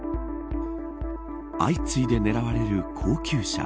相次いで狙われる高級車。